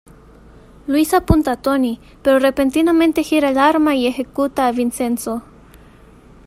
Luis apunta a Tony, pero repentinamente gira el arma y ejecuta a Vincenzo.